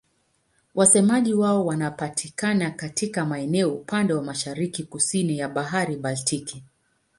Wasemaji wao wanapatikana katika maeneo upande wa mashariki-kusini ya Bahari Baltiki.